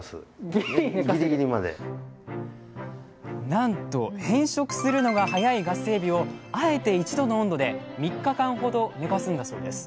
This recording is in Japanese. なんと変色するのが早いガスエビをあえて１度の温度で３日間ほど寝かすんだそうです